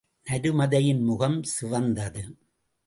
நருமதையின் முகம் சிவந்தது.